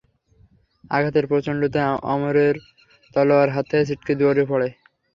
আঘাতের প্রচণ্ডতায় আমরের তলোয়ার হাত থেকে ছিটকে দুরে পড়ে।